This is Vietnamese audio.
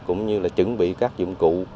cũng như là chuẩn bị các dụng cụ